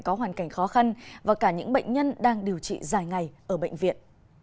có hoàn cảnh khó khăn và cả những bệnh nhân đang điều trị dài ngày ở bệnh viện